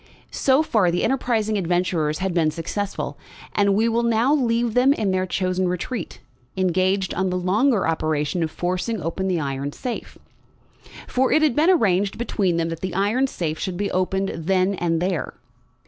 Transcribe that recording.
So far, the enterprising adventurers had been successful, and we will now leave them in their chosen retreat, engaged on the longer operation of forcing open the iron safe. For it had been arranged between them that the iron safe should be opened then and there.